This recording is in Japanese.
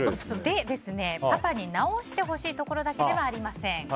パパに直してほしいところだけではありません。